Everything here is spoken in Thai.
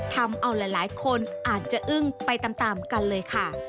ทำเอาหลายคนอาจจะอึ้งไปตามกันเลยค่ะ